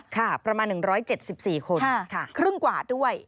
ค่ะประมาณ๑๗๔คนครึ่งกว่าด้วย